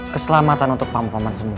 keselamatan untuk pampaman semua